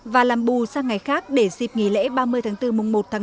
và làm bù sang ngày khác để dịp nghỉ lễ ba mươi tháng bốn mùng một tháng năm